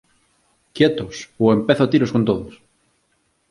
¡Quietos ou empezo a tiros con todos!